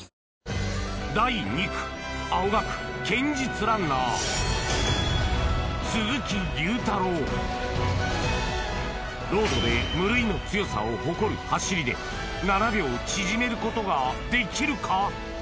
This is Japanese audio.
第２区青学堅実ランナーロードで無類の強さを誇る走りで７秒縮めることができるか？